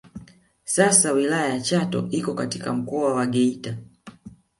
Sasa wilaya ya Chato iko katika Mkoa wa Geita